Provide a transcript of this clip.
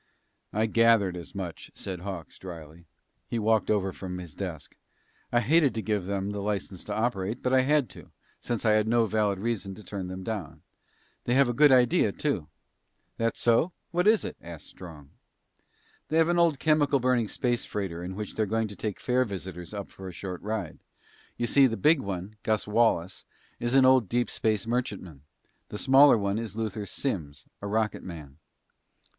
"I gathered as much," said Hawks dryly. He walked over from his desk. "I hated to give them the license to operate, but I had to, since I had no valid reason to turn them down. They have a good idea, too." "That so? What is it?" asked Strong. "They have an old chemical burning space freighter in which they're going to take fair visitors up for a short ride. You see, the big one, Gus Wallace, is an old deep space merchantman. The smaller one is Luther Simms, a rocketman."